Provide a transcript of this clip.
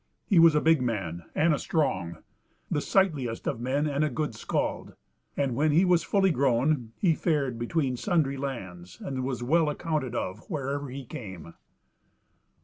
He was a big man and a strong, the sightliest of men and a good skald; and when he was fully grown he fared between sundry lands, and was well accounted of wherever he came.